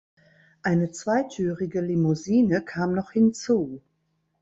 Eine zweitürige Limousine kam noch hinzu.